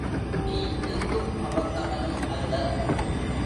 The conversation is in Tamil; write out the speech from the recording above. நீ எங்கும் பிறந்தவனும் அல்ல.